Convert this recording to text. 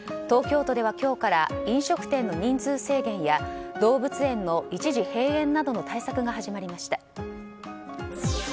東京都では今日から飲食店の人数制限や動物園の一時閉園などの対策が始まりました。